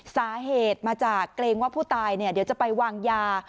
สาเหตุมาจากเกรงว่าผู้ตายเดี๋ยวจะไปวางยา